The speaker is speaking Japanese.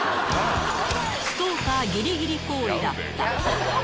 ストーカーぎりぎり行為だった。